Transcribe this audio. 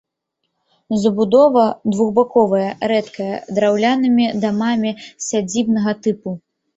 Забудова двухбаковая, рэдкая, драўлянымі дамамі сядзібнага тыпу.